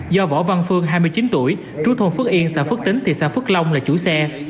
do võ văn phương hai mươi chín tuổi trú thôn phước yên xã phước tính thị xã phước long là chủ xe